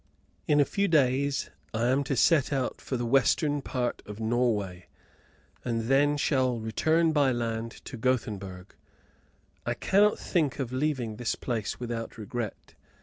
In a few days I am to set out for the western part of Norway, and then shall return by land to Gothenburg. I cannot think of leaving this place without regret.